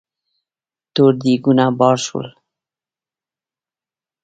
تور دېګونه بار شول.